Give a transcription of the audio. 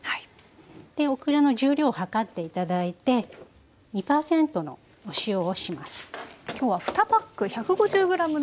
オクラの重量を量って頂いて２％のお塩をします。